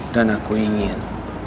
dan aku ingin